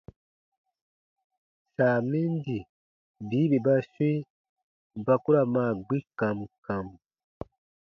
Saa min di bii bè ba swĩi ba k u ra maa gbi kam kam.